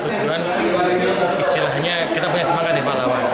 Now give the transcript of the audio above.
maksud kejuangan istilahnya kita punya semangat di pahlawan